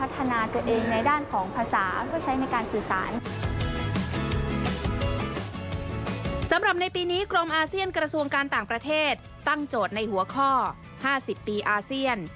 สำหรับในปีนี้กรมอาเซียนกระทรวงการต่างประเทศตั้งโจทย์ในหัวข้อ๕๐ปีอาเซียน